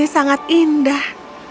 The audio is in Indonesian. ini sangat indah